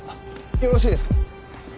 よろしいですか？